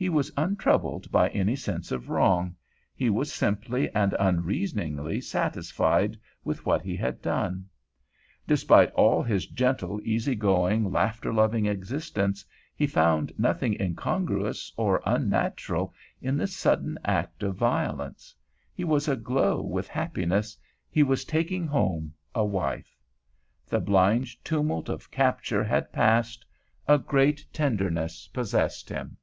He was untroubled by any sense of wrong; he was simply and unreasoningly satisfied with what he had done. Despite all his gentle, easy going, laughter loving existence, he found nothing incongruous or unnatural in this sudden act of violence. He was aglow with happiness; he was taking home a wife. The blind tumult of capture had passed; a great tenderness possessed him.